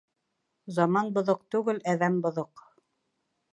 Заман боҙоҡ түгел, әҙәм боҙоҡ.